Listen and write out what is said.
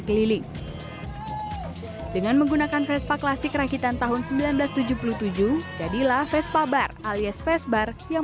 keliling dengan menggunakan vespa klasik rakitan tahun seribu sembilan ratus tujuh puluh tujuh jadilah vespa bar alias vesbar yang